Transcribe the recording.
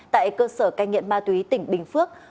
tại cơ sở cai nghiện ma túy tỉnh bình phước